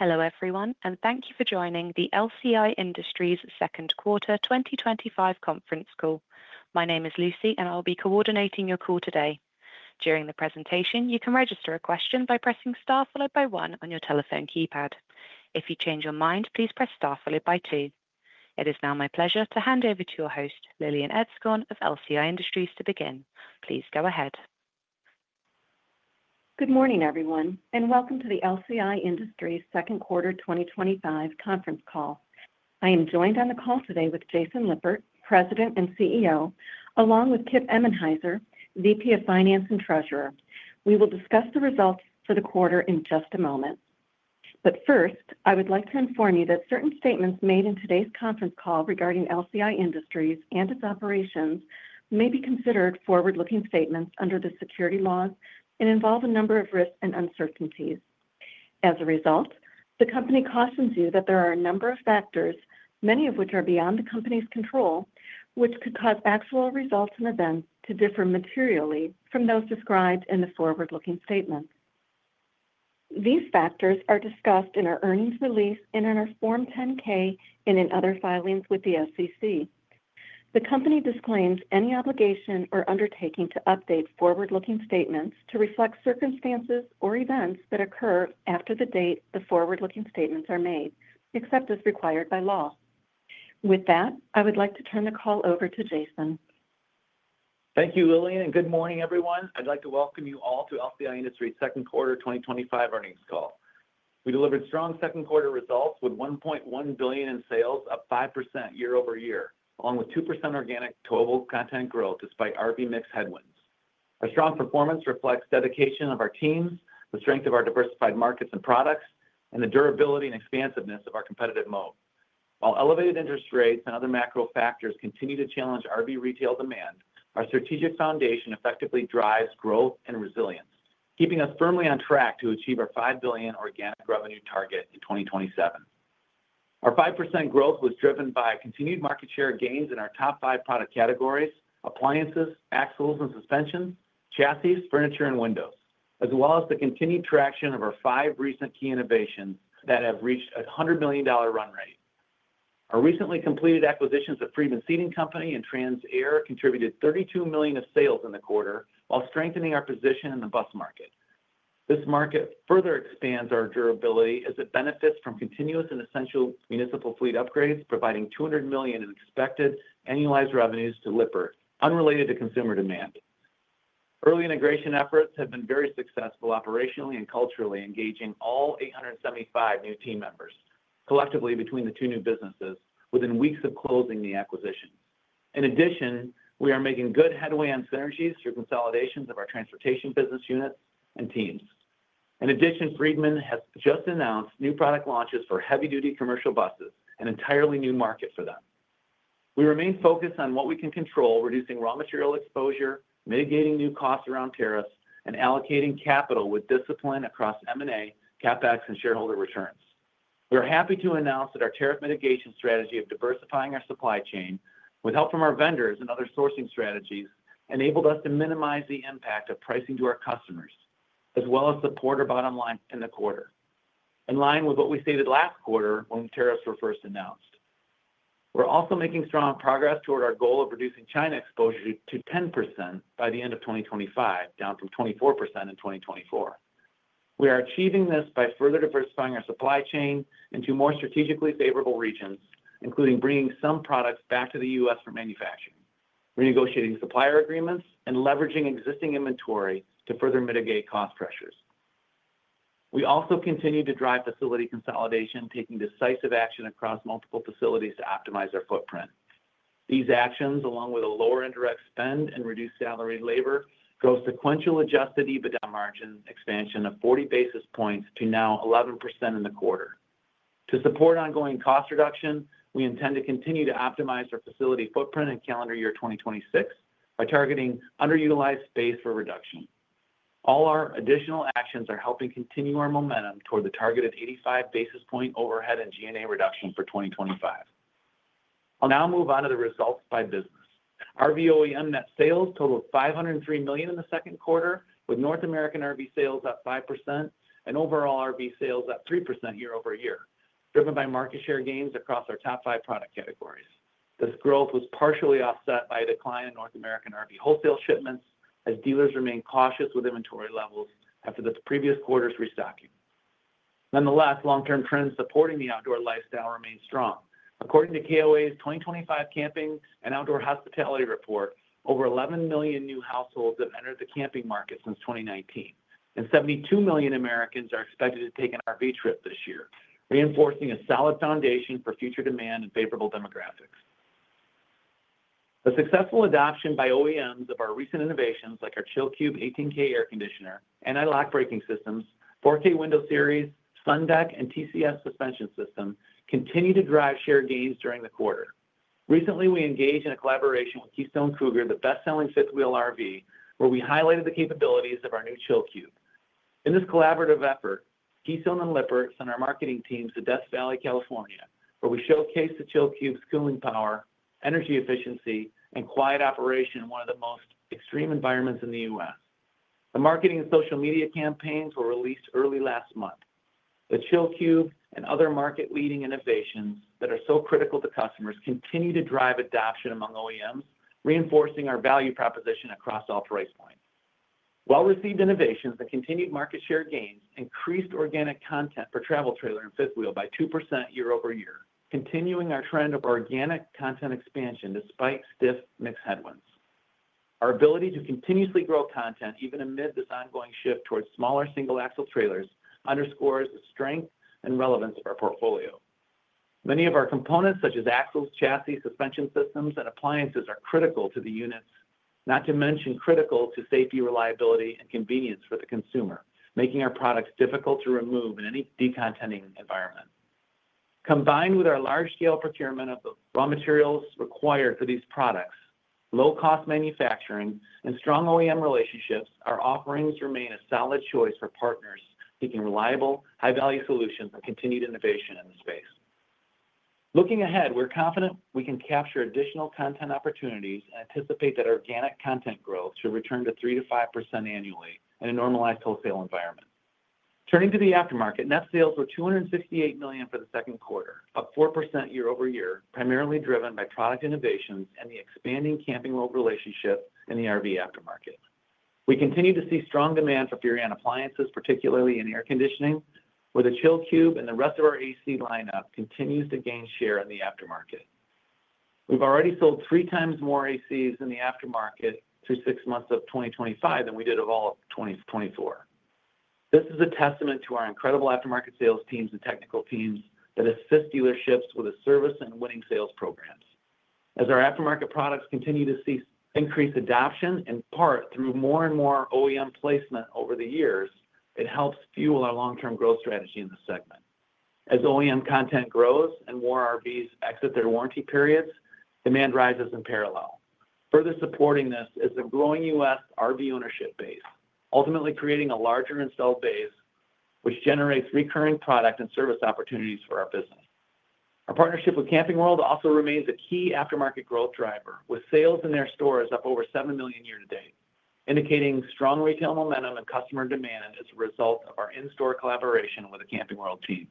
Hello everyone, and thank you for joining the LCI Industries Second Quarter 2025 Conference Call. My name is Lucy, and I'll be coordinating your call today. During the presentation, you can register a question by pressing star followed by one on your telephone keypad. If you change your mind, please press star followed by two. It is now my pleasure to hand over to your host, Lillian Etzkorn of LCI Industries, to begin. Please go ahead. Good morning everyone, and welcome to the LCI Industries Second Quarter 2025 Conference Call. I am joined on the call today with Jason Lippert, President and CEO, along with Kip Emenhiser, VP of Finance and Treasurer. We will discuss the results for the quarter in just a moment. First, I would like to inform you that certain statements made in today's conference call regarding LCI Industries and its operations may be considered forward-looking statements under the security laws and involve a number of risks and uncertainties. As a result, the company cautions you that there are a number of factors, many of which are beyond the company's control, which could cause actual results and events to differ materially from those described in the forward-looking statements. These factors are discussed in our earnings release and in our Form 10-K and in other filings with the SEC. The company disclaims any obligation or undertaking to update forward-looking statements to reflect circumstances or events that occur after the date the forward-looking statements are made, except as required by law. With that, I would like to turn the call over to Jason. Thank you, Lillian, and good morning everyone. I'd like to welcome you all to LCI Industries' Second Quarter 2025 Earnings Call. We delivered strong second quarter results with $1.1 billion in sales, up 5% year-over-year, along with 2% organic total content growth despite RV mix headwinds. Our strong performance reflects dedication of our teams, the strength of our diversified markets and products, and the durability and expansiveness of our competitive moat. While elevated interest rates and other macro factors continue to challenge RV retail demand, our strategic foundation effectively drives growth and resilience, keeping us firmly on track to achieve our $5 billion organic revenue target in 2027. Our 5% growth was driven by continued market share gains in our top five product categories: appliances, axles and suspensions, chassis, furniture, and windows, as well as the continued traction of our five recent key innovations that have reached a $100 million run rate. Our recently completed acquisitions of Freedman Seating Company and Trans/Air contributed $32 million in sales in the quarter, while strengthening our position in the bus market. This market further expands our durability as it benefits from continuous and essential municipal fleet upgrades, providing $200 million in expected annualized revenues to Lippert, unrelated to consumer demand. Early integration efforts have been very successful operationally and culturally, engaging all 875 new team members collectively between the two new businesses within weeks of closing the acquisition. In addition, we are making good headway on synergies through consolidations of our transportation business units and teams. In addition, Freedman has just announced new product launches for heavy-duty commercial buses, an entirely new market for them. We remain focused on what we can control, reducing raw material exposure, mitigating new costs around tariffs, and allocating capital with discipline across M&A, CapEx, and shareholder returns. We are happy to announce that our tariff mitigation strategy of diversifying our supply chain, with help from our vendors and other sourcing strategies, enabled us to minimize the impact of pricing to our customers, as well as support our bottom line in the quarter, in line with what we stated last quarter when tariffs were first announced. We're also making strong progress toward our goal of reducing China exposure to 10% by the end of 2025, down from 24% in 2024. We are achieving this by further diversifying our supply chain into more strategically favorable regions, including bringing some products back to the U.S. for manufacturing, renegotiating supplier agreements, and leveraging existing inventory to further mitigate cost pressures. We also continue to drive facility consolidation, taking decisive action across multiple facilities to optimize our footprint. These actions, along with a lower indirect spend and reduced salary labor, drove sequential adjusted EBITDA margin expansion of 40 basis points to now 11% in the quarter. To support ongoing cost reduction, we intend to continue to optimize our facility footprint in calendar year 2026 by targeting underutilized space for reduction. All our additional actions are helping continue our momentum toward the targeted 85 basis point overhead and G&A reduction for 2025. I'll now move on to the results by business. RV OEM net sales totaled $503 million in the second quarter, with North American RV sales up 5% and overall RV sales up 3% year-over-year, driven by market share gains across our top five product categories. This growth was partially offset by a decline in North American RV wholesale shipments, as dealers remain cautious with inventory levels after this previous quarter's restocking. Nonetheless, long-term trends supporting the outdoor lifestyle remain strong. According to KOA's 2025 Camping & Outdoor Hospitality Report, over 11 million new households have entered the camping market since 2019, and 72 million Americans are expected to take an RV trip this year, reinforcing a solid foundation for future demand and favorable demographics. A successful adoption by OEMs of our recent innovations, like our Chill Cube 18K air conditioner, anti-lock braking systems, 4K window series, Sun Deck, and TCS suspension system, continue to drive share gains during the quarter. Recently, we engaged in a collaboration with Keystone Cougar, the best-selling fifth-wheel RV, where we highlighted the capabilities of our new Chill Cube. In this collaborative effort, Keystone and Lippert sent our marketing teams to Death Valley, California, where we showcased the Chill Cube's cooling power, energy efficiency, and quiet operation in one of the most extreme environments in the U.S. The marketing and social media campaigns were released early last month. The Chill Cube and other market-leading innovations that are so critical to customers continue to drive adoption among OEMs, reinforcing our value proposition across all price points. Well-received innovations and continued market share gains increased organic content for travel trailer and fifth-wheel by 2% year-over-year, continuing our trend of organic content expansion despite stiff mix headwinds. Our ability to continuously grow content, even amid this ongoing shift towards smaller single-axle trailers, underscores the strength and relevance of our portfolio. Many of our components, such as axles, chassis, suspension systems, and appliances, are critical to the units, not to mention critical to safety, reliability, and convenience for the consumer, making our products difficult to remove in any decontenting environment. Combined with our large-scale procurement of the raw materials required for these products, low-cost manufacturing, and strong OEM relationships, our offerings remain a solid choice for partners seeking reliable, high-value solutions and continued innovation in the space. Looking ahead, we're confident we can capture additional content opportunities and anticipate that organic content growth should return to 3% to 5% annually in a normalized wholesale environment. Turning to the aftermarket, net sales were $268 million for the second quarter, up 4% year-over -ear, primarily driven by product innovations and the expanding Camping World relationship in the RV aftermarket. We continue to see strong demand for Furrion appliances, particularly in air conditioning, where the Chill Cube and the rest of our AC lineup continues to gain share in the aftermarket. We've already sold 3x more ACs in the aftermarket through six months of 2025 than we did of all of 2024. This is a testament to our incredible aftermarket sales teams and technical teams that assist dealerships with a service and winning sales programs. As our aftermarket products continue to see increased adoption, in part through more and more OEM placement over the years, it helps fuel our long-term growth strategy in this segment. As OEM content grows and more RVs exit their warranty periods, demand rises in parallel, further supporting this is a growing U.S. RV ownership base, ultimately creating a larger installed base which generates recurring product and service opportunities for our business. Our partnership with Camping World also remains a key aftermarket growth driver, with sales in their stores up over $7 million year to date, indicating strong retail momentum and customer demand as a result of our in-store collaboration with the Camping World team.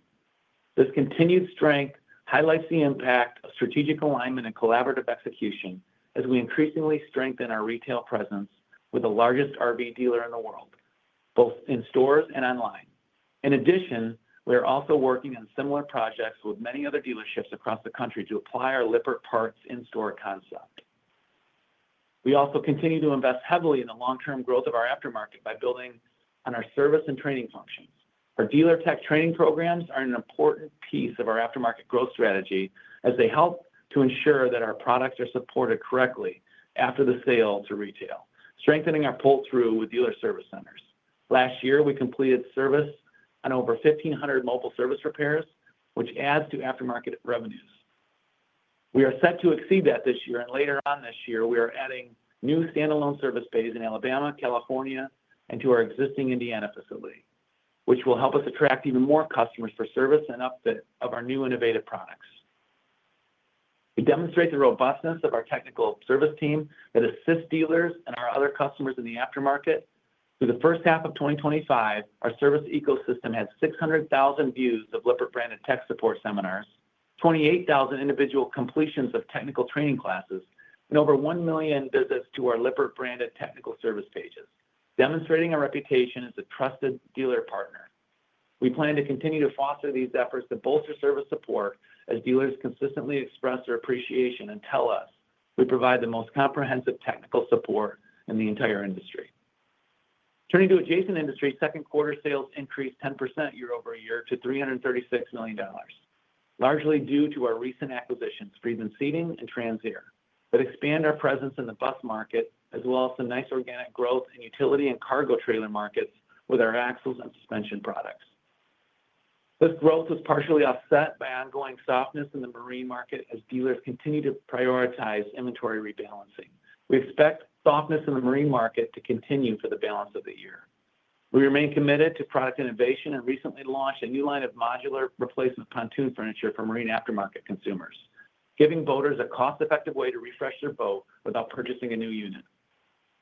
This continued strength highlights the impact of strategic alignment and collaborative execution as we increasingly strengthen our retail presence with the largest RV dealer in the world, both in stores and online. In addition, we are also working on similar projects with many other dealerships across the country to apply our Lippert parts in-store concept. We also continue to invest heavily in the long-term growth of our aftermarket by building on our service and training functions. Our dealer tech training programs are an important piece of our aftermarket growth strategy as they help to ensure that our products are supported correctly after the sale to retail, strengthening our pull-through with dealer service centers. Last year, we completed service on over 1,500 mobile service repairs, which adds to aftermarket revenues. We are set to exceed that this year, and later on this year, we are adding new standalone service bays in Alabama, California, and to our existing Indiana facility, which will help us attract even more customers for service and upfit of our new innovative products. We demonstrate the robustness of our technical service team that assists dealers and our other customers in the aftermarket. For the first half of 2025, our service ecosystem had 600,000 views of Lippert branded tech support seminars, 28,000 individual completions of technical training classes, and over 1 million visits to our Lippert branded technical service pages, demonstrating our reputation as a trusted dealer partner. We plan to continue to foster these efforts to bolster service support as dealers consistently express their appreciation and tell us we provide the most comprehensive technical support in the entire industry. Turning to adjacent industry, second quarter sales increased 10% year-over-year to $336 million, largely due to our recent acquisitions, Freedman Seating and Trans/Air, that expand our presence in the bus market, as well as some nice organic growth in utility and cargo trailer markets with our axles and suspension products. This growth is partially offset by ongoing softness in the marine market as dealers continue to prioritize inventory rebalancing. We expect softness in the marine market to continue for the balance of the year. We remain committed to product innovation and recently launched a new line of modular replacement pontoon furniture for marine aftermarket consumers, giving boaters a cost-effective way to refresh their boat without purchasing a new unit.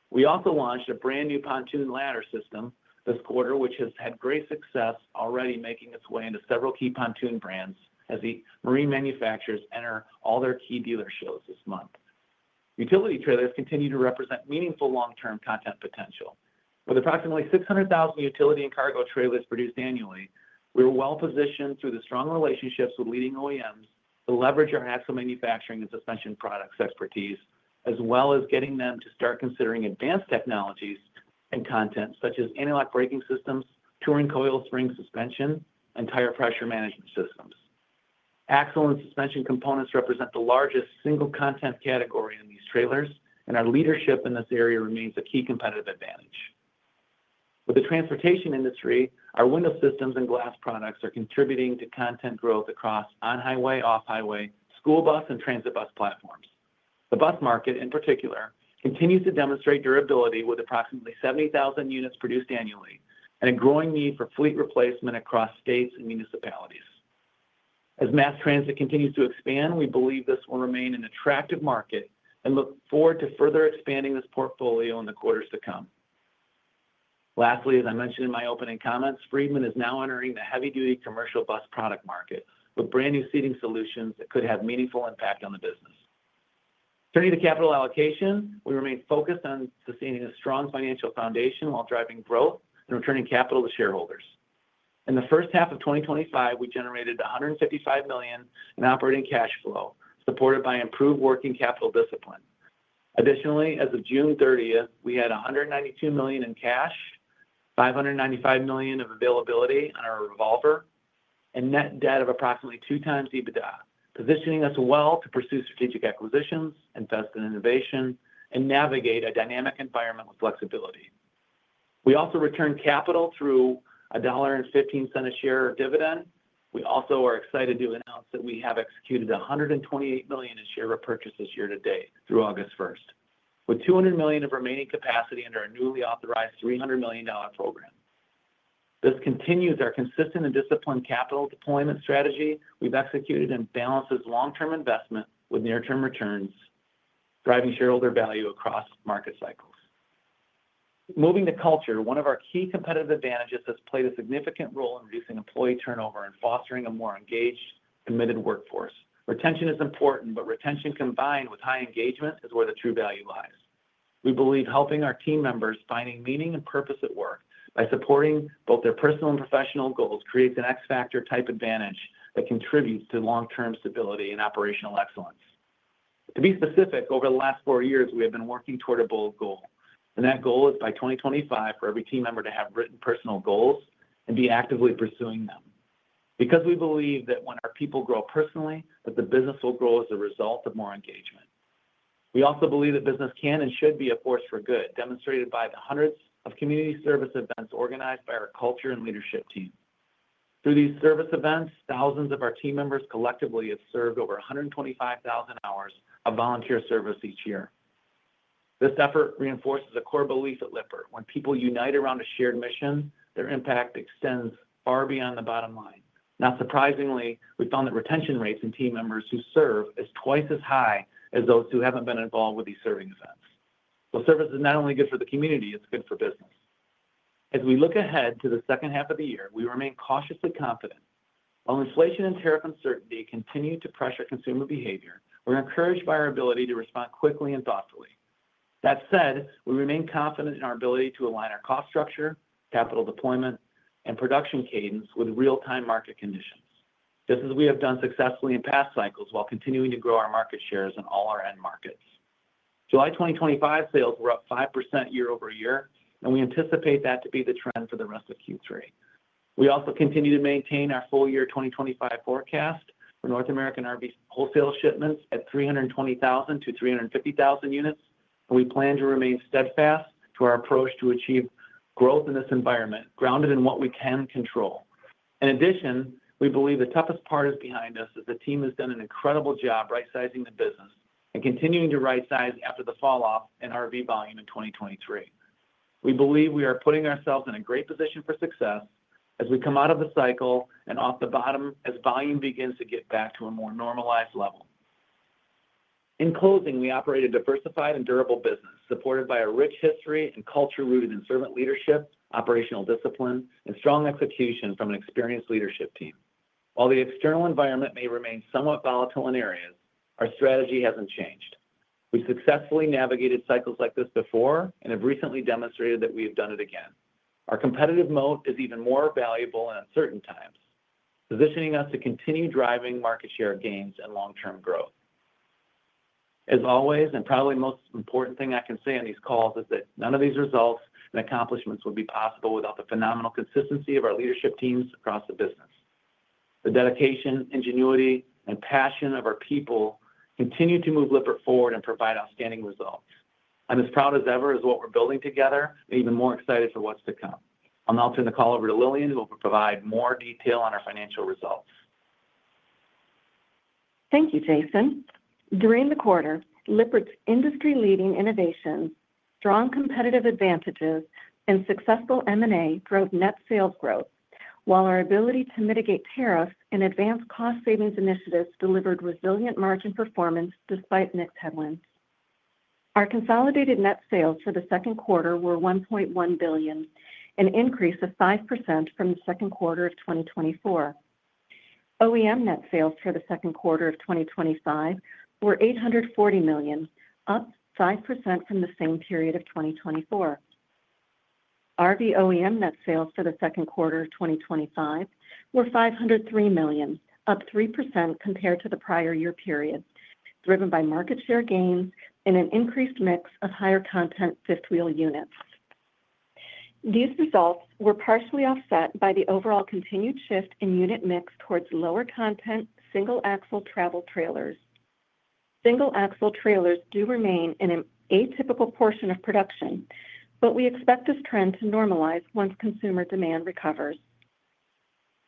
We also launched a brand new pontoon ladder system this quarter, which has had great success already making its way into several key pontoon brands as the marine manufacturers enter all their key dealer shows this month. Utility trailers continue to represent meaningful long-term content potential. With approximately 600,000 utility and cargo trailers produced annually, we were well positioned through the strong relationships with leading OEMs to leverage our axle manufacturing and suspension products expertise, as well as getting them to start considering advanced technologies and content such as anti-lock braking systems, touring coil spring suspension, and tire pressure management systems. Axle and suspension components represent the largest single content category in these trailers, and our leadership in this area remains a key competitive advantage. With the transportation industry, our window systems and glass products are contributing to content growth across on-highway, off-highway, school bus, and transit bus platforms. The bus market, in particular, continues to demonstrate durability with approximately 70,000 units produced annually and a growing need for fleet replacement across states and municipalities. As mass transit continues to expand, we believe this will remain an attractive market and look forward to further expanding this portfolio in the quarters to come. Lastly, as I mentioned in my opening comments, Freedman is now entering the heavy-duty commercial bus product market with brand new seating solutions that could have meaningful impact on the business. Turning to capital allocation, we remain focused on sustaining a strong financial foundation while driving growth and returning capital to shareholders. In the first half of 2025, we generated $155 million in operating cash flow, supported by improved working capital discipline. Additionally, as of June 30th, we had $192 million in cash, $595 million of availability on our revolver, and net debt of approximately 2x EBITDA, positioning us well to pursue strategic acquisitions, invest in innovation, and navigate a dynamic environment with flexibility. We also returned capital through $1.15 a share of dividend. We also are excited to announce that we have executed $128 million in share repurchases year to date through August 1st, with $200 million of remaining capacity under our newly authorized $300 million program. This continues our consistent and disciplined capital deployment strategy we've executed and balances long-term investment with near-term returns, driving shareholder value across market cycles. Moving to culture, one of our key competitive advantages has played a significant role in reducing employee turnover and fostering a more engaged, committed workforce. Retention is important, but retention combined with high engagement is where the true value lies. We believe helping our team members find meaning and purpose at work by supporting both their personal and professional goals creates an X-factor type advantage that contributes to long-term stability and operational excellence. To be specific, over the last four years, we have been working toward a bold goal, and that goal is by 2025 for every team member to have written personal goals and be actively pursuing them, because we believe that when our people grow personally, that the business will grow as a result of more engagement. We also believe that business can and should be a force for good, demonstrated by the hundreds of community service events organized by our culture and leadership team. Through these service events, thousands of our team members collectively have served over 125,000 hours of volunteer service each year. This effort reinforces a core belief at Lippert: when people unite around a shared mission, their impact extends far beyond the bottom line. Not surprisingly, we found that retention rates in team members who serve are twice as high as those who haven't been involved with these serving events. Service is not only good for the community; it's good for business. As we look ahead to the second half of the year, we remain cautiously confident. While inflation and tariff uncertainty continue to pressure consumer behavior, we're encouraged by our ability to respond quickly and thoughtfully. That said, we remain confident in our ability to align our cost structure, capital deployment, and production cadence with real-time market conditions. This is what we have done successfully in past cycles while continuing to grow our market shares in all our end markets. July 2025 sales were up 5% year-over-year, and we anticipate that to be the trend for the rest of Q3. We also continue to maintain our full-year 2025 forecast for North American RV wholesale shipments at 320,000-350,000 units, and we plan to remain steadfast to our approach to achieve growth in this environment, grounded in what we can control. In addition, we believe the toughest part is behind us, as the team has done an incredible job right-sizing the business and continuing to right-size after the falloff in RV volume in 2023. We believe we are putting ourselves in a great position for success as we come out of the cycle and off the bottom as volume begins to get back to a more normalized level. In closing, we operate a diversified and durable business, supported by a rich history and culture rooted in servant leadership, operational discipline, and strong execution from an experienced leadership team. While the external environment may remain somewhat volatile in areas, our strategy hasn't changed. We've successfully navigated cycles like this before and have recently demonstrated that we've done it again. Our competitive moat is even more valuable at certain times, positioning us to continue driving market share gains and long-term growth. As always, and probably the most important thing I can say on these calls is that none of these results and accomplishments would be possible without the phenomenal consistency of our leadership teams across the business. The dedication, ingenuity, and passion of our people continue to move Lippert forward and provide outstanding results. I'm as proud as ever as what we're building together, and even more excited for what's to come. I'll now turn the call over to Lillian, who will provide more detail on our financial results. Thank you, Jason. During the quarter, Lippert's industry-leading innovations, strong competitive advantages, and successful M&A drove net sales growth, while our ability to mitigate tariffs and advanced cost-savings initiatives delivered resilient margin performance despite mixed headwinds. Our consolidated net sales for the second quarter were $1.1 billion, an increase of 5% from the second quarter of 2024. OEM net sales for the second quarter of 2025 were $840 million, up 5% from the same period of 2024. RV OEM net sales for the second quarter of 2025 were $503 million, up 3% compared to the prior year period, driven by market share gains and an increased mix of higher content fifth-wheel units. These results were partially offset by the overall continued shift in unit mix towards lower content single-axle travel trailers. Single-axle trailers do remain in an atypical portion of production, but we expect this trend to normalize once consumer demand recovers.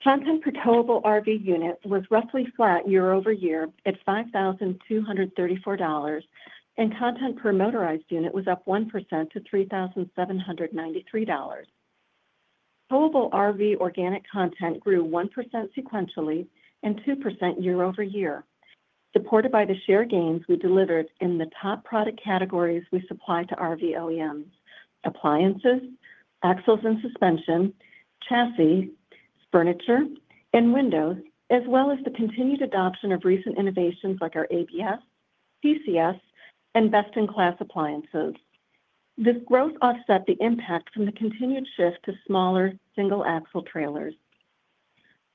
Content per towable RV unit was roughly flat year-over-year at $5,234, and content per motorized unit was up 1% to $3,793. Towable RV organic content grew 1% sequentially and 2% year-over-year, supported by the share gains we delivered in the top product categories we supply to RV OEMs: appliances, axles and suspensions, chassis, furniture, and windows, as well as the continued adoption of recent innovations like our ABS, TCS, and best-in-class appliances. This growth offset the impact from the continued shift to smaller single-axle trailers.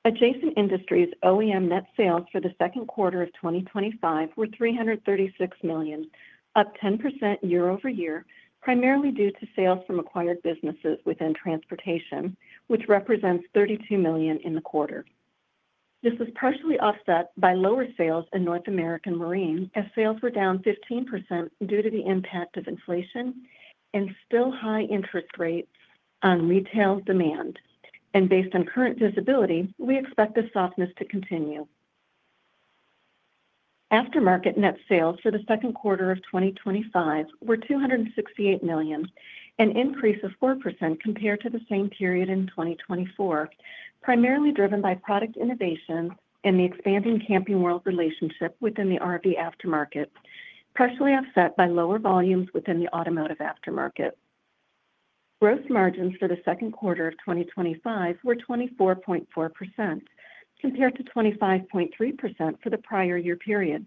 Adjacent Industries OEM net sales for the second quarter of 2025 were $336 million, up 10% year-over-year, primarily due to sales from acquired businesses within transportation, which represents $32 million in the quarter. This is partially offset by lower sales in North American Marine, as sales were down 15% due to the impact of inflation and still high interest rates on retail demand. Based on current visibility, we expect this softness to continue. Aftermarket net sales for the second quarter of 2025 were $268 million, an increase of 4% compared to the same period in 2024, primarily driven by product innovation and the expanding Camping World relationship within the RV aftermarket, partially offset by lower volumes within the automotive aftermarket. Gross margins for the second quarter of 2025 were 24.4% compared to 25.3% for the prior year period.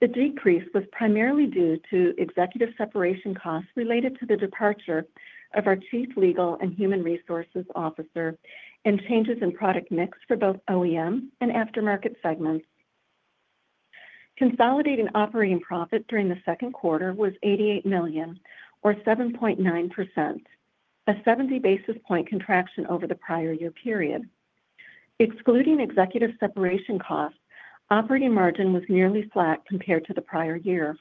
The decrease was primarily due to executive separation costs related to the departure of our Chief Legal and Human Resources Officer and changes in product mix for both OEM and aftermarket segments. Consolidating operating profit during the second quarter was $88 million, or 7.9%, a 70 basis point contraction over the prior year period. Excluding executive separation costs, operating margin was nearly flat compared to the prior year.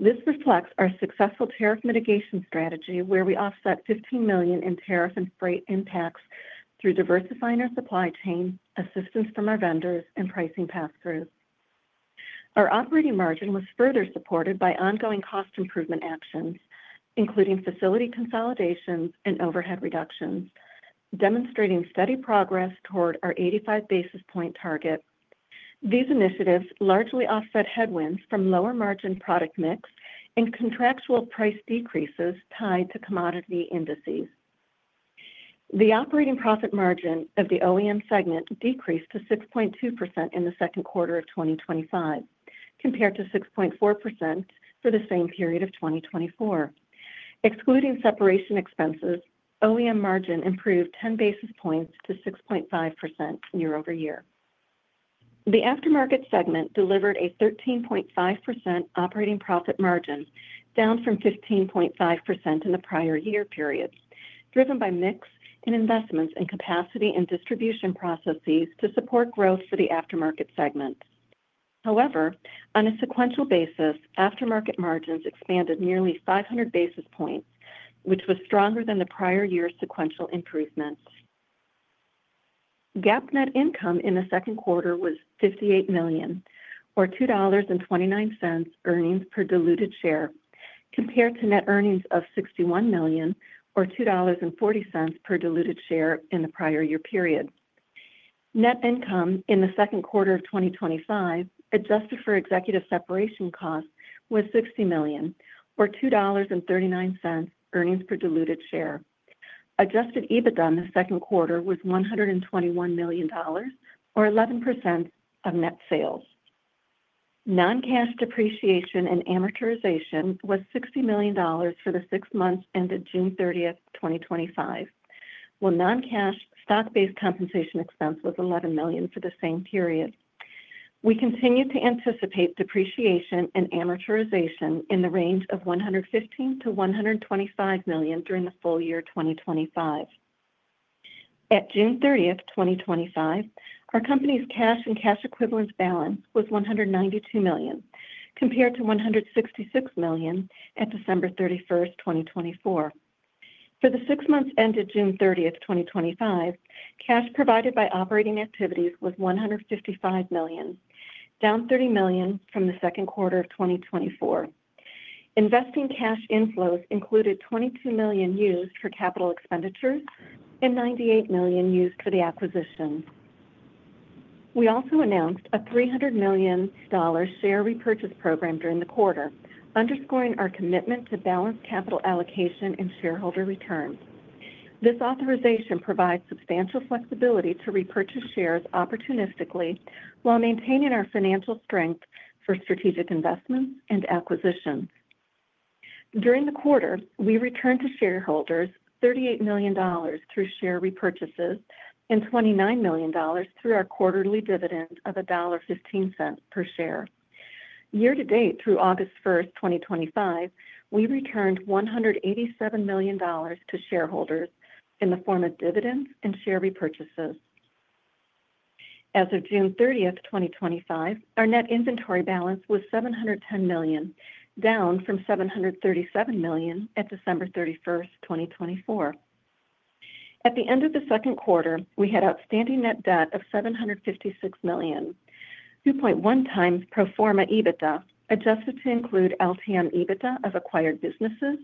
This reflects our successful tariff mitigation strategy, where we offset $15 million in tariff and freight impacts through diversifying our supply chain, assistance from our vendors, and pricing pass-through. Our operating margin was further supported by ongoing cost improvement actions, including facility consolidations and overhead reductions, demonstrating steady progress toward our 85 basis point target. These initiatives largely offset headwinds from lower margin product mix and contractual price decreases tied to commodity indices. The operating profit margin of the OEM segment decreased to 6.2% in the second quarter of 2025, compared to 6.4% for the same period of 2024. Excluding separation expenses, OEM margin improved 10 basis points to 6.5% year-over-year. The aftermarket segment delivered a 13.5% operating profit margin, down from 15.5% in the prior year period, driven by mix in investments in capacity and distribution processes to support growth for the aftermarket segment. However, on a sequential basis, aftermarket margins expanded nearly 500 basis points, which was stronger than the prior year's sequential improvements. GAAP net income in the second quarter was $58 million, or $2.29 earnings per diluted share, compared to net earnings of $61 million, or $2.40 per diluted share in the prior year period. Net income in the second quarter of 2025, adjusted for executive separation costs, was $60 million, or $2.39 earnings per diluted share. Adjusted EBITDA in the second quarter was $121 million, or 11% of net sales. Non-cash depreciation and amortization was $60 million for the six months ended June 30th, 2025, while non-cash stock-based compensation expense was $11 million for the same period. We continue to anticipate depreciation and amortization in the range of $115 million-$125 million during the full year 2025. At June 30th, 2025, our company's cash and cash equivalents balance was $192 million, compared to $166 million at December 31st, 2024. For the six months ended June 30th, 2025, cash provided by operating activities was $155 million, down $30 million from the second quarter of 2024. Investing cash inflows included $22 million used for capital expenditures and $98 million used for the acquisition. We also announced a $300 million share repurchase program during the quarter, underscoring our commitment to balanced capital allocation and shareholder returns. This authorization provides substantial flexibility to repurchase shares opportunistically while maintaining our financial strength for strategic investment and acquisition. During the quarter, we returned to shareholders $38 million through share repurchases and $29 million through our quarterly dividend of $1.15 per share. Year to date, through August 1st, 2025, we returned $187 million to shareholders in the form of dividends and share repurchases. As of June 30th, 2025, our net inventory balance was $710 million, down from $737 million at December 31st, 2024. At the end of the second quarter, we had outstanding net debt of $756 million, 2.1x pro forma EBITDA, adjusted to include LTM EBITDA of acquired businesses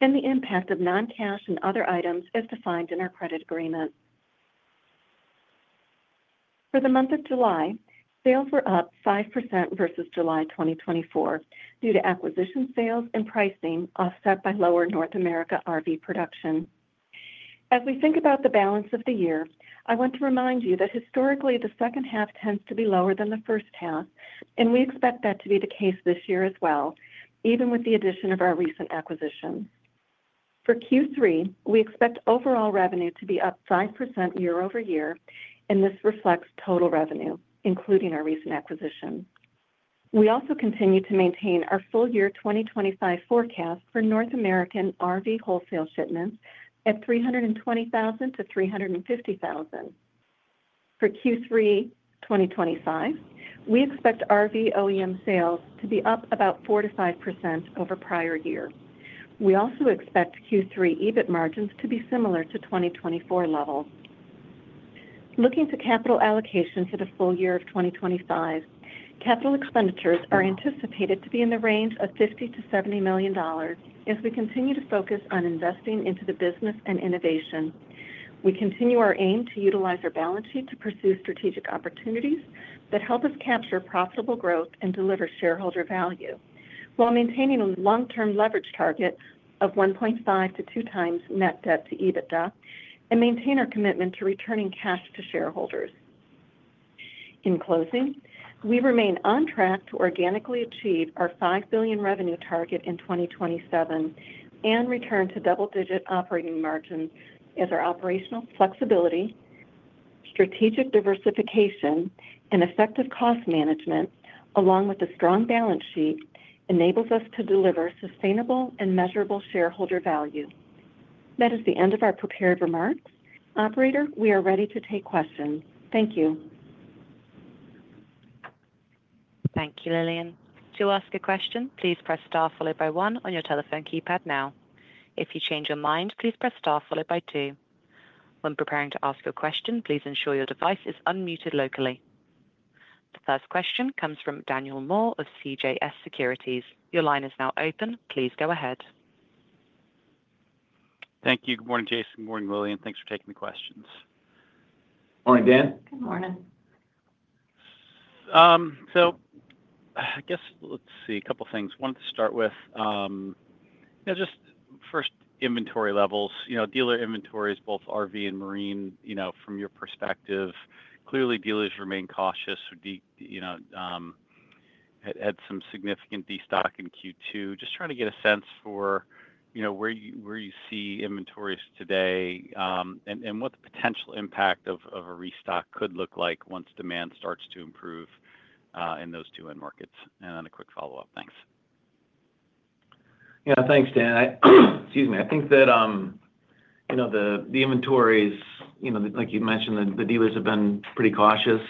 and the impact of non-cash and other items as defined in our credit agreement. For the month of July, sales were up 5% versus July 2024 due to acquisition sales and pricing offset by lower North America RV production. As we think about the balance of the year, I want to remind you that historically the second half tends to be lower than the first half, and we expect that to be the case this year as well, even with the addition of our recent acquisition. For Q3, we expect overall revenue to be up 5% year-over-year, and this reflects total revenue, including our recent acquisition. We also continue to maintain our full year 2025 forecast for North America RV wholesale shipments at 320,000-350,000. For Q3 2025, we expect RV OEM sales to be up about 4%-5% over prior year. We also expect Q3 EBIT margins to be similar to 2024 levels. Looking to capital allocation for the full year of 2025, capital expenditures are anticipated to be in the range of $50 million-$70 million as we continue to focus on investing into the business and innovation. We continue our aim to utilize our balance sheet to pursue strategic opportunities that help us capture profitable growth and deliver shareholder value, while maintaining a long-term leverage target of 1.5x-2x net debt to EBITDA and maintain our commitment to returning cash to shareholders. In closing, we remain on track to organically achieve our $5 billion revenue target in 2027 and return to double-digit operating margins as our operational flexibility, strategic diversification, and effective cost management, along with a strong balance sheet, enable us to deliver sustainable and measurable shareholder value. That is the end of our prepared remarks. Operator, we are ready to take questions. Thank you. Thank you, Lillian. To ask a question, please press star followed by one on your telephone keypad now. If you change your mind, please press star followed by two. When preparing to ask a question, please ensure your device is unmuted locally. The first question comes from Daniel Moore of CJS Securities. Your line is now open. Please go ahead. Thank you. Good morning, Jason. Morning, Lillian. Thanks for taking the questions. Morning, Dan. Good morning. Let's see a couple of things. One, to start with, just first inventory levels. Dealer inventories, both RV and marine, from your perspective, clearly dealers remain cautious, had some significant destock in Q2. Just trying to get a sense for where you see inventories today and what the potential impact of a restock could look like once demand starts to improve in those two end markets? Then a quick follow-up. Thanks. Yeah, thanks, Dan. I think that, you know, the inventories, like you mentioned, the dealers have been pretty cautious.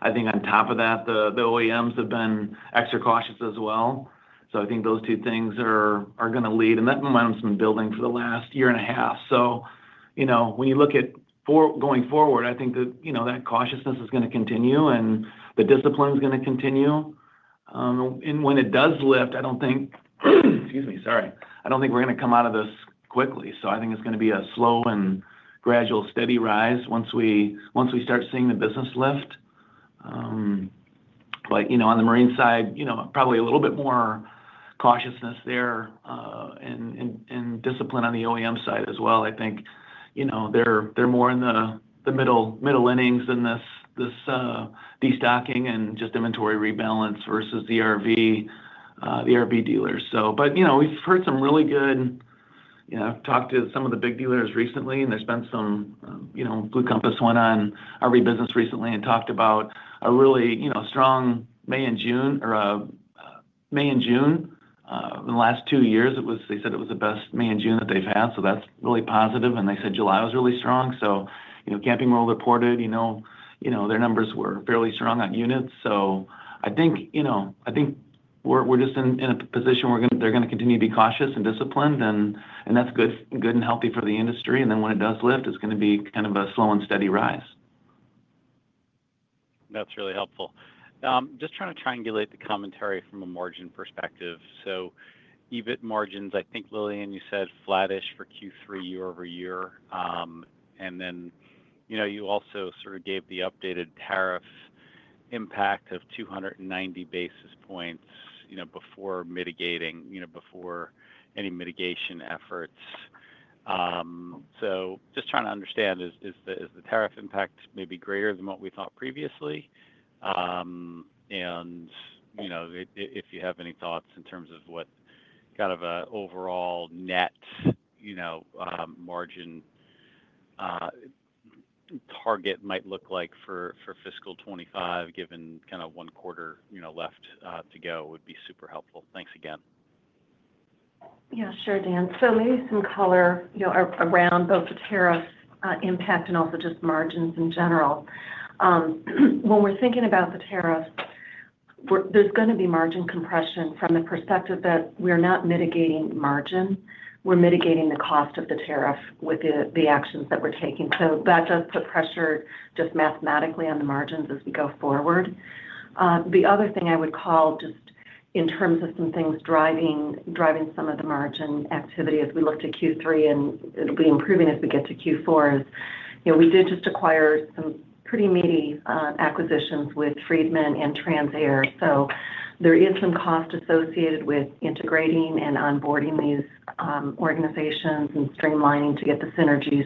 I think on top of that, the OEMs have been extra cautious as well. I think those two things are going to lead, and that momentum's been building for the last year and a half. When you look at going forward, I think that cautiousness is going to continue and the discipline is going to continue. When it does lift, I don't think we're going to come out of this quickly. I think it's going to be a slow and gradual, steady rise once we start seeing the business lift. On the marine side, probably a little bit more cautiousness there and discipline on the OEM side as well. I think they're more in the middle innings in this destocking and just inventory rebalance versus the RV dealers. We've heard some really good, talked to some of the big dealers recently and there's been some, you know, Blue Compass went on RVBusiness recently and talked about a really strong May and June, or a May and June in the last two years. They said it was the best May and June that they've had. That's really positive. They said July was really strong. Camping World reported their numbers were fairly strong on units. I think we're just in a position where they're going to continue to be cautious and disciplined and that's good and healthy for the industry. When it does lift, it's going to be kind of a slow and steady rise. That's really helpful. Just trying to triangulate the commentary from a margin perspective. EBIT margins, I think, Lillian, you said flattish for Q3 year-over-year. You also sort of gave the updated tariff impact of 290 basis points before any mitigation efforts. Just trying to understand, is the tariff impact maybe greater than what we thought previously? If you have any thoughts in terms of what kind of an overall net margin target might look like for fiscal 2025, given kind of one quarter left to go, would be super helpful. Thanks again. Yeah, sure, Dan. Maybe some color around both the tariff impact and also just margins in general. When we're thinking about the tariffs, there's going to be margin compression from the perspective that we're not mitigating margins. We're mitigating the cost of the tariff with the actions that we're taking. That does put pressure just mathematically on the margins as we go forward. The other thing I would call just in terms of some things driving some of the margin activity as we look to Q3, and it'll be improving as we get to Q4, is we did just acquire some pretty meaty acquisitions with Freedman and Trans/Air. There is some cost associated with integrating and onboarding these organizations and streamlining to get the synergy.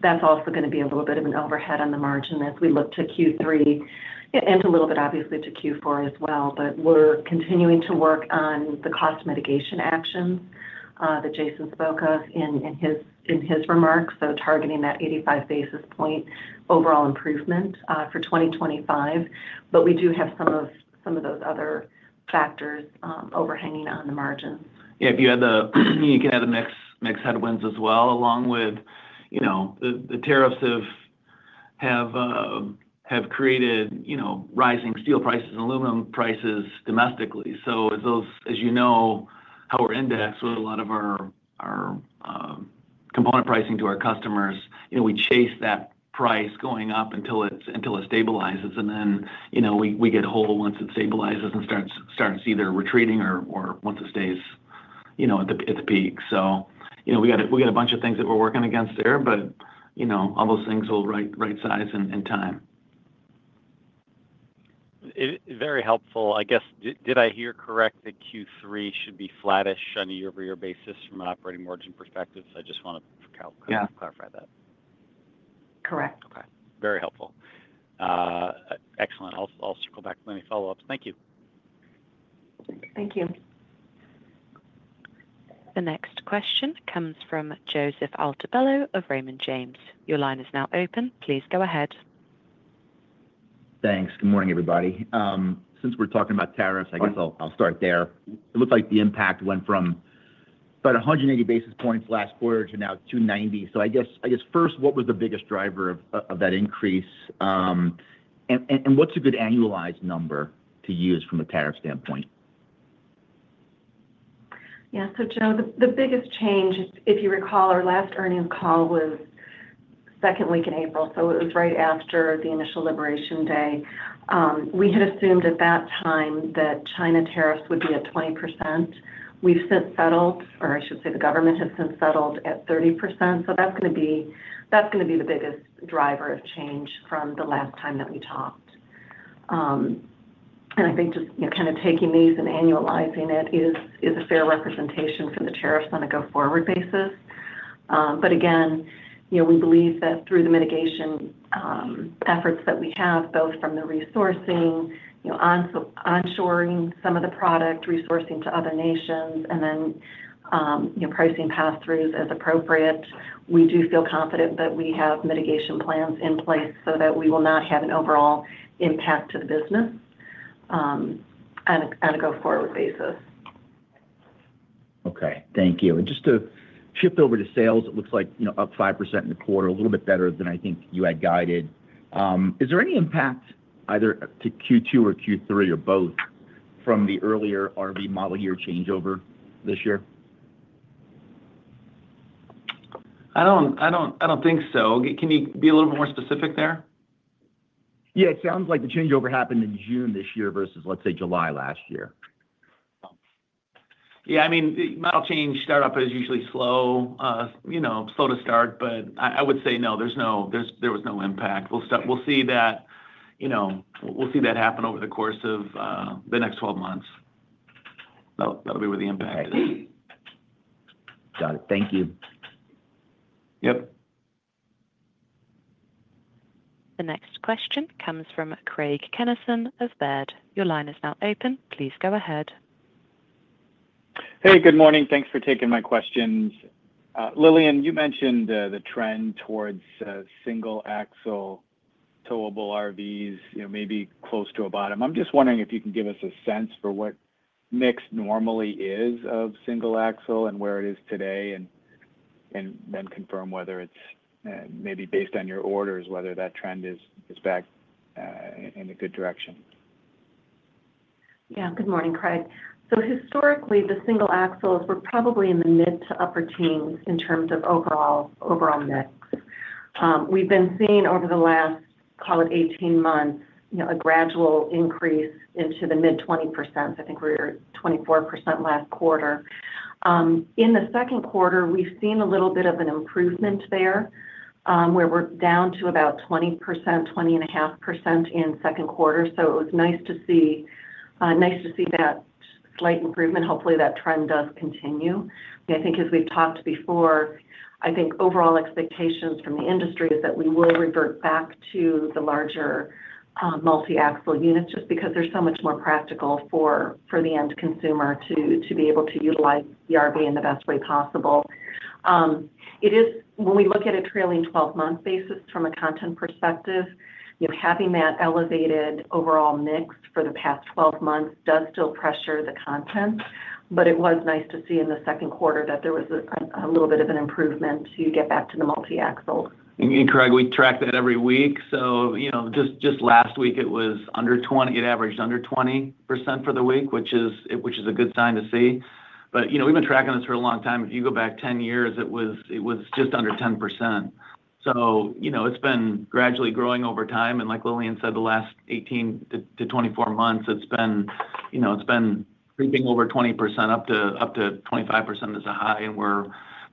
That's also going to be a little bit of an overhead on the margin as we look to Q3 and a little bit obviously to Q4 as well. We're continuing to work on the cost mitigation actions that Jason spoke of in his remarks, targeting that 85 basis point overall improvement for 2025. We do have some of those other factors overhanging on the margin. Yeah, if you add the mixed headwinds as well, along with the tariffs that have created rising steel prices and aluminum prices domestically. As you know, how we're indexed with a lot of our component pricing to our customers, we chase that price going up until it stabilizes. Then we get whole once it stabilizes and starts either retreating or once it stays at the peak. We have a bunch of things that we're working against there, but all those things will right-size in time. Very helpful. I guess, did I hear correct that Q3 should be flattish on a year-over-year basis from an operating margin perspective? I just want to clarify that. Correct. Okay. Very helpful. Excellent. I'll circle back with any follow-ups. Thank you. Thank you. The next question comes from Joseph Altobello of Raymond James. Your line is now open. Please go ahead. Thanks. Good morning, everybody. Since we're talking about tariffs, I'll start there. It looks like the impact went from about 180 basis points last quarter to now 290. What was the biggest driver of that increase? What's a good annualized number to use from a tariff standpoint? Yeah. Joe, the biggest change, if you recall, our last earnings call was the second week in April. It was right after the initial liberation day. We had assumed at that time that China tariffs would be at 20%. We've since settled, or I should say the government has since settled at 30%. That's going to be the biggest driver of change from the last time that we talked. I think just kind of taking these and annualizing it is a fair representation for the tariffs on a go-forward basis. Again, we believe that through the mitigation efforts that we have, both from the resourcing, onshoring some of the product, resourcing to other nations, and then pricing pass-throughs as appropriate, we do feel confident that we have mitigation plans in place so that we will not have an overall impact to the business on a go-forward basis. Thank you. Just to shift over to sales, it looks like, you know, up 5% in the quarter, a little bit better than I think you had guided. Is there any impact either to Q2 or Q3 or both from the earlier RV model year changeover this year? I don't think so. Can you be a little bit more specific there? Yeah, it sounds like the changeover happened in June this year versus, let's say, July last year. Yeah, I mean, the model change startup is usually slow, you know, slow to start, but I would say no, there's no, there was no impact. We'll see that, you know, we'll see that happen over the course of the next 12 months. That'll be where the impact is. Got it, thank you. Yep. The next question comes from Craig Kennison of Baird. Your line is now open. Please go ahead. Hey, good morning. Thanks for taking my questions. Lillian, you mentioned the trend towards single-axle towable RVs, maybe close to a bottom. I'm just wondering if you can give us a sense for what mix normally is of single-axle and where it is today, and then confirm whether it's, maybe based on your orders, whether that trend is back in a good direction? Yeah, good morning, Craig. Historically, the single-axles were probably in the mid to upper teens in terms of overall mix. We've been seeing over the last, call it 18 months, a gradual increase into the mid 20%. I think we were at 24% last quarter. In the second quarter, we've seen a little bit of an improvement there, where we're down to about 20%, 20.5% in the second quarter. It was nice to see that slight improvement. Hopefully, that trend does continue. I think, as we've talked before, overall expectations from the industry are that we will revert back to the larger multi-axle units just because they're so much more practical for the end consumer to be able to utilize the RV in the best way possible. When we look at a trailing 12-month basis from a content perspective, having that elevated overall mix for the past 12 months does still pressure the content, but it was nice to see in the second quarter that there was a little bit of an improvement to get back to the multi-axle. Craig, we track that every week. Just last week, it was under 20%, it averaged under 20% for the week, which is a good sign to see. We've been tracking this for a long time. If you go back 10 years, it was just under 10%. It's been gradually growing over time. Like Lillian said, the last 18-24 months, it's been creeping over 20% up to 25% as a high. We're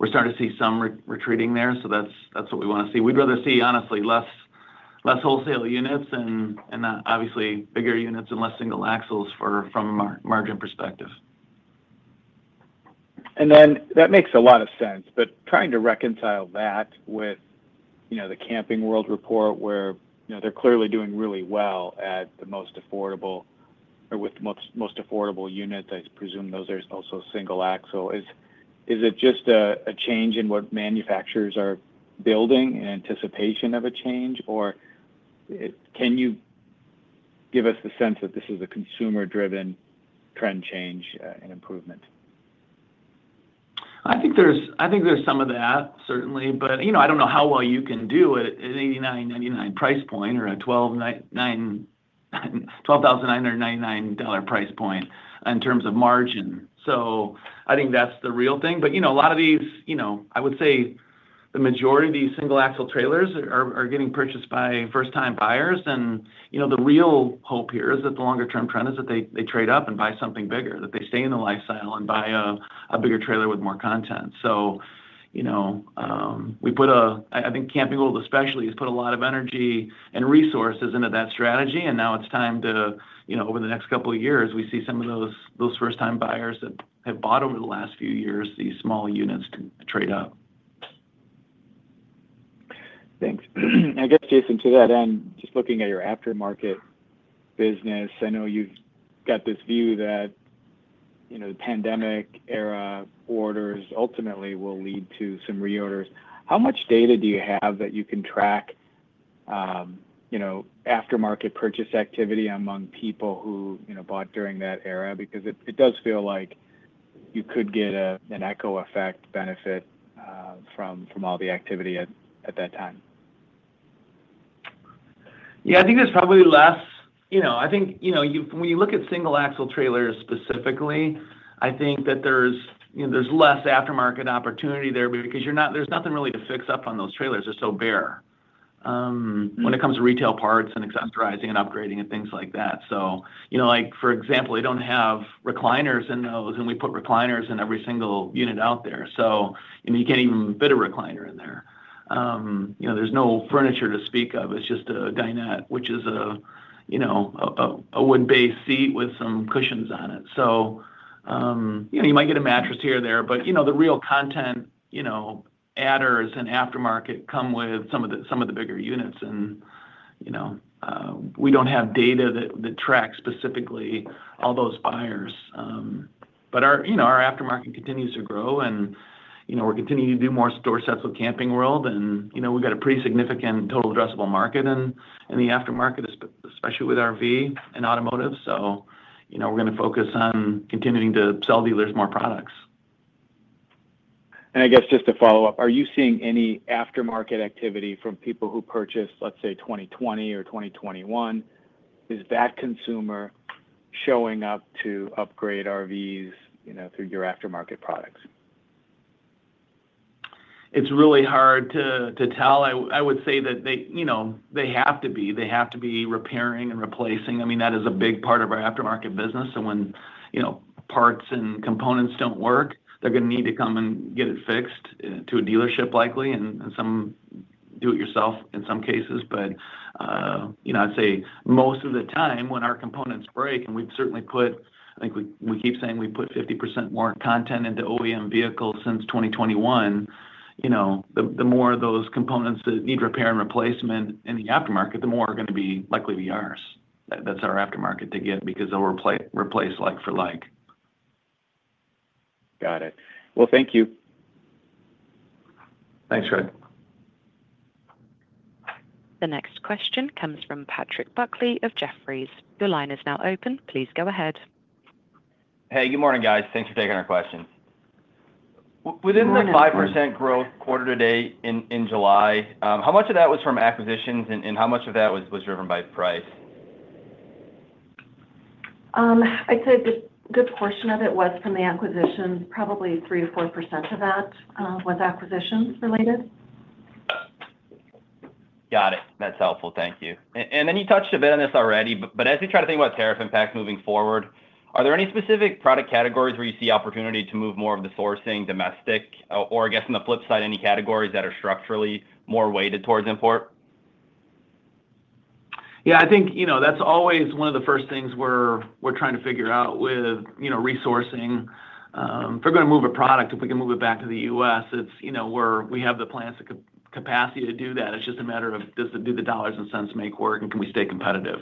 starting to see some retreating there. That's what we want to see. We'd rather see, honestly, less wholesale units and obviously bigger units and less single axles from a margin perspective. That makes a lot of sense, but trying to reconcile that with the Camping World report, where they're clearly doing really well with the most affordable unit. I presume those are also single axle. Is it just a change in what manufacturers are building in anticipation of a change, or can you give us the sense that this is a consumer-driven trend change and improvement? I think there's some of that, certainly. I don't know how well you can do it at an $89.99 price point or a $12,999 price point in terms of margin. I think that's the real thing. A lot of these, I would say the majority of these single-axle trailers are getting purchased by first-time buyers. The real hope here is that the longer-term trend is that they trade up and buy something bigger, that they stay in the lifestyle and buy a bigger trailer with more content. Camping World especially has put a lot of energy and resources into that strategy. Over the next couple of years, we see some of those first-time buyers that have bought over the last few years these smaller units trade up. I guess, Jason, to that end, just looking at your aftermarket business, I know you've got this view that the pandemic era orders ultimately will lead to some reorders. How much data do you have that you can track, you know, aftermarket purchase activity among people who bought during that era? It does feel like you could get an echo effect benefit from all the activity at that time. Yeah, I think there's probably less, you know, when you look at single-axle trailers specifically, I think that there's less aftermarket opportunity there because you're not, there's nothing really to fix up on those trailers. They're so bare when it comes to retail parts and accessorizing and upgrading and things like that. For example, they don't have recliners in those, and we put recliners in every single unit out there. You can't even fit a recliner in there. There's no furniture to speak of. It's just a dinette, which is a wood-based seat with some cushions on it. You might get a mattress here or there, but the real content adders and aftermarket come with some of the bigger units. We don't have data that tracks specifically all those buyers. Our aftermarket continues to grow, and we're continuing to do more store sets with Camping World, and we've got a pretty significant total addressable market in the aftermarket, especially with RV and automotive. We're going to focus on continuing to sell dealers more products. I guess just to follow up, are you seeing any aftermarket activity from people who purchased, let's say, 2020 or 2021? Is that consumer showing up to upgrade RVs through your aftermarket products? It's really hard to tell. I would say that they have to be repairing and replacing. That is a big part of our aftermarket business. When parts and components don't work, they're going to need to come and get it fixed to a dealership likely, and some do it yourself in some cases. I'd say most of the time when our components break, and we've certainly put, I think we keep saying we put 50% more content into OEM vehicles since 2021, the more of those components that need repair and replacement in the aftermarket, the more are going to be likely to be ours. That's our aftermarket to get because they'll replace like for like. Got it. Well, thank you. Thanks, Craig. The next question comes from Patrick Buckley of Jefferies. Your line is now open. Please go ahead. Hey, good morning, guys. Thanks for taking our questions. Within the 5% growth quarter to date in July, how much of that was from acquisitions, and how much of that was driven by price? I'd say a good portion of it was from the acquisitions, probably 3%-4% of that was acquisitions related. Got it. That's helpful. Thank you. You touched a bit on this already, but as you try to think about tariff impacts moving forward, are there any specific product categories where you see opportunity to move more of the sourcing domestic, or I guess on the flip side, any categories that are structurally more weighted towards import? Yeah, I think that's always one of the first things we're trying to figure out with resourcing. If we're going to move a product, if we can move it back to the U.S., it's where we have the plants and capacity to do that. It's just a matter of does the dollars and cents make it work and can we stay competitive?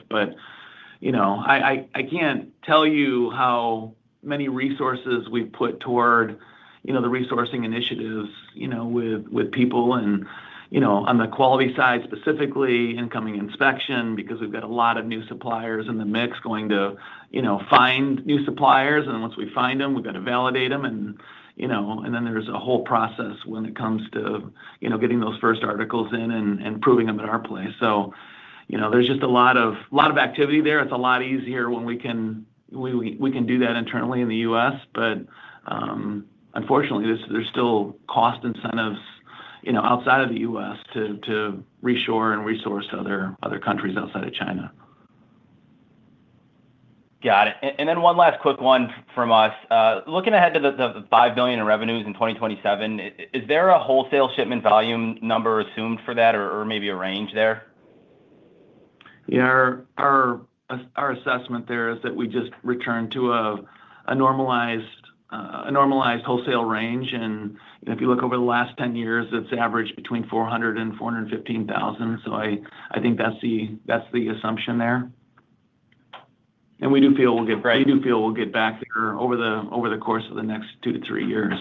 I can't tell you how many resources we've put toward the resourcing initiatives with people and on the quality side specifically, incoming inspection, because we've got a lot of new suppliers in the mix going to find new suppliers. Once we find them, we've got to validate them, and then there's a whole process when it comes to getting those first articles in and proving them at our place. There's just a lot of activity there. It's a lot easier when we can do that internally in the U.S. Unfortunately, there's still cost incentives outside of the U.S. to reshore and resource other countries outside of China. Got it. One last quick one from us. Looking ahead to the $5 billion in revenues in 2027, is there a wholesale shipment volume number assumed for that or maybe a range there? Yeah, our assessment there is that we just return to a normalized wholesale range. If you look over the last 10 years, it's averaged between 400,000 and 415,000. I think that's the assumption there. We do feel we'll get back there over the course of the next two to three years.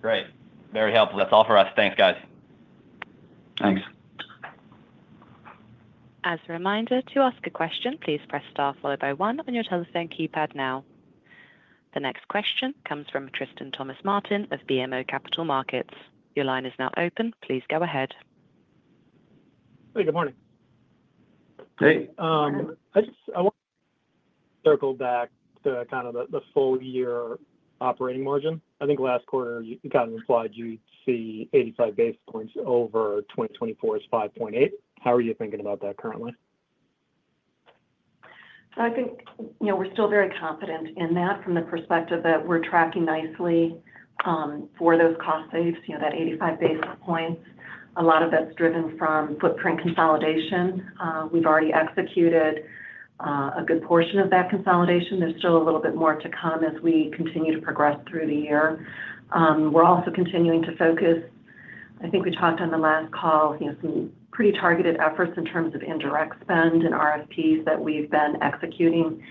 Great. Very helpful. That's all for us. Thanks, guys. Thanks. As a reminder, to ask a question, please press star followed by one on your telephone keypad now. The next question comes from Tristan Thomas-Martin of BMO Capital Markets. Your line is now open. Please go ahead. Hey, good morning. Hey. I just I want to circle back to kind of the full year operating margin. I think last quarter you kind of implied you would see 85 basis points over 2024 is 5.8%. How are you thinking about that currently? I think we're still very confident in that from the perspective that we're tracking nicely for those cost saves, that 85 basis points. A lot of that's driven from footprint consolidation. We've already executed a good portion of that consolidation. There's still a little bit more to come as we continue to progress through the year. We're also continuing to focus, I think we talked on the last call, some pretty targeted efforts in terms of indirect spend and RFPs that we've been executing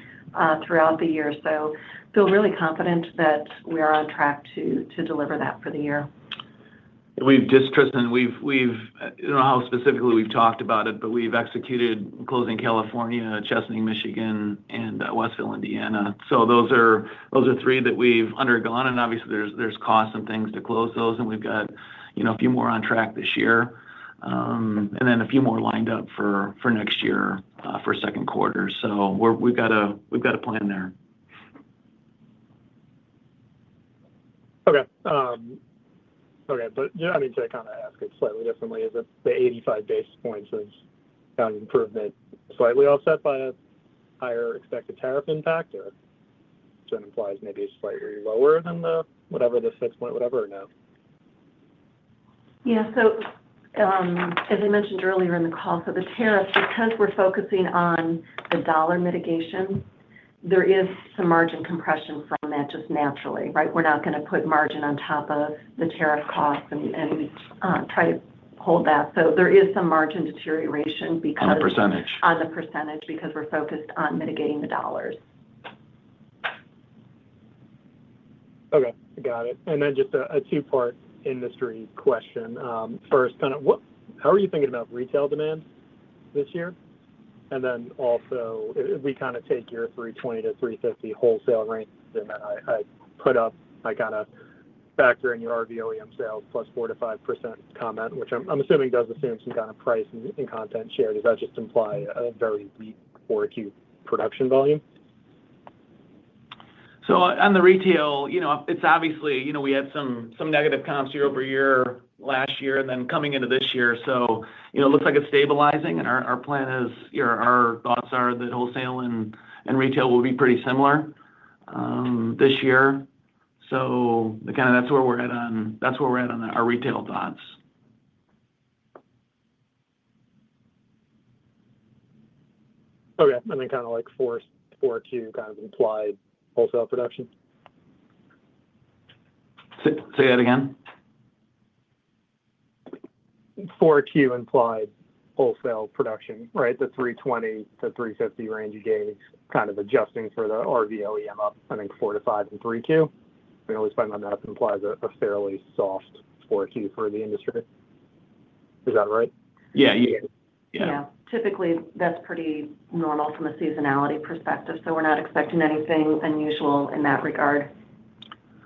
throughout the year. I feel really confident that we are on track to deliver that for the year. Tristan, we've talked about it, but we've executed closing California, Chesaning, Michigan, and Westville, Indiana. Those are three that we've undergone. Obviously, there's costs and things to close those. We've got a few more on track this year, and a few more lined up for next year for second quarter. We've got a plan there. Okay. Okay. To kind of ask it slightly differently, is the 85 basis points of kind of improvement slightly offset by a higher expected tariff impact, or does it imply maybe slightly lower than the whatever the 6 point whatever, or no? Yeah. As I mentioned earlier in the call, the tariffs, because we're focusing on the dollar mitigation, there is some margin compression on that just naturally, right? We're not going to put margin on top of the tariff cost and try to hold that. There is some margin deterioration because. On percentage. On the percentage because we're focused on mitigating the dollars. Okay. Got it. Just a two-part industry question. First, how are you thinking about retail demand this year? Also, if we take your 320,000-350,000 wholesale range, and then I factor in your RV OEM sale plus 4%-5% comment, which I'm assuming does assume some kind of price and content share, does that just imply a very weak or acute production volume? On the retail, it's obviously, we had some negative comps year-over-year last year and then coming into this year. It looks like it's stabilizing, and our plan is, our thoughts are that wholesale and retail will be pretty similar this year. That's where we're at on our retail thoughts. Okay, and then kind of like 4Q kind of implied wholesale production? Say that again? 4Q implied wholesale production, right? The 320,000-350,000 range you gave, kind of adjusting for the RV OEM up, I think 4%-5% in 3Q. We're always finding that that implies a fairly soft 4Q for the industry. Is that right? Yeah, yeah. Yeah, typically that's pretty normal from a seasonality perspective. We're not expecting anything unusual in that regard.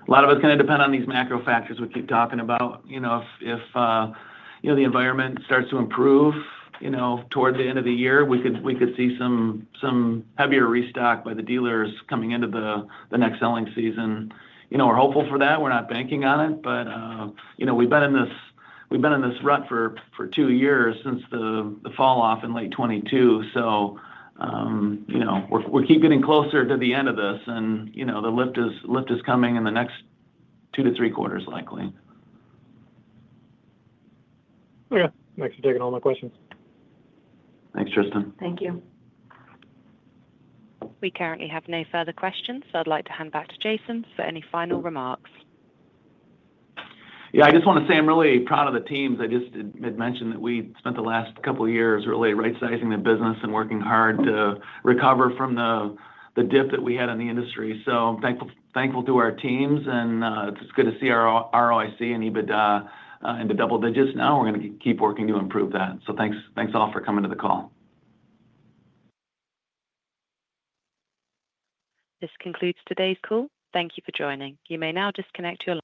A lot of it's going to depend on these macro factors we keep talking about. If the environment starts to improve toward the end of the year, we could see some heavier restock by the dealers coming into the next selling season. We're hopeful for that. We're not banking on it. We've been in this rut for two years since the falloff in late 2022. We keep getting closer to the end of this, and the lift is coming in the next two to three quarters, likely. Okay, thanks for taking all my questions. Thanks, Tristan. Thank you. We currently have no further questions, so I'd like to hand back to Jason for any final remarks. I just want to say I'm really proud of the teams. I just had mentioned that we spent the last couple of years really right-sizing the business and working hard to recover from the dip that we had in the industry. I'm thankful to our teams, and it's good to see our ROIC and EBITDA into double digits now. We're going to keep working to improve that. Thanks all for coming to the call. This concludes today's call. Thank you for joining. You may now disconnect your line.